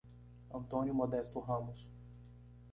Antônio Modesto Ramos